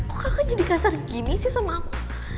kok kakak jadi kasar gini sih sama aku